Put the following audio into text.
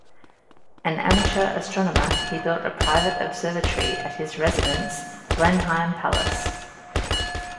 An amateur astronomer, he built a private observatory at his residence, Blenheim Palace.